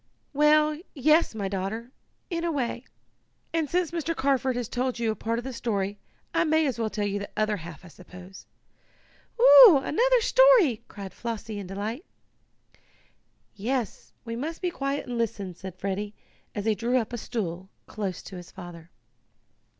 "Well, yes, daughter, in a way. And, since Mr. Carford has told you part of the story, I may as well tell you the other half, I suppose." "Oh, another story!" cried Flossie, in delight. "Yes, we must be quiet and listen," said Freddie, as he drew up a stool close to his father.